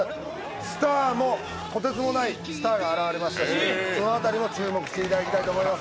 スターもとてつもないスターが現れますのでそのあたりも注目していただきたいと思います。